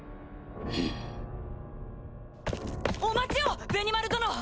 お待ちをベニマル殿！